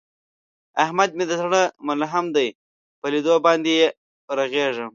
احمد مې د زړه ملحم دی، په لیدو باندې یې رغېږم.